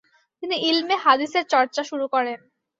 তিনি ইলমে হাদীসের চর্চা শুরু করেন।